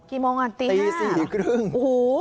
กี่โมงตี๕บาทอ่ะโอ้โฮ